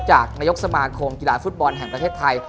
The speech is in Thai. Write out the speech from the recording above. จากนายกสมาคมกีฬาฟุตบอลแห่งประเทศไทย